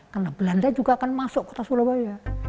karena belanda juga akan masuk kota sulawesi